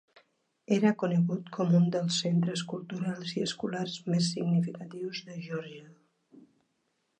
Era conegut com un dels centres culturals i escolars més significatius de Georgia.